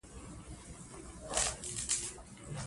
ناقصه وینا جمله نه ګڼل کیږي.